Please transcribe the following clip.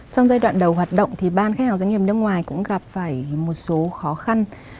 trong giai đoạn đầu hoạt động thì ban khách hàng doanh nghiệp nước ngoài cũng gặp phải một số khó khăn